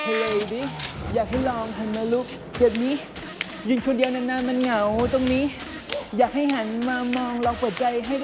เอาสักรายมาสักรายวันนี้ผมแต่งมาให้เขาด้วยใช่ไหม